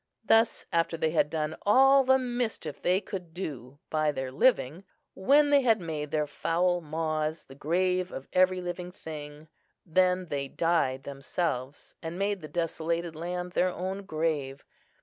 Thus after they had done all the mischief they could by their living, when they had made their foul maws the grave of every living thing, then they died themselves, and made the desolated land their own grave.